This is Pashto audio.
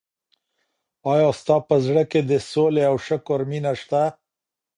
ایا ستا په زړه کي د سولي او شکر مینه سته؟